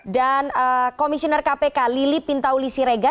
dan komisioner kpk lili pintaulisi regar